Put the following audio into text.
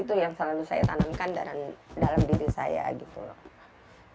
itu yang selalu saya tanamkan dalam diri saya gitu loh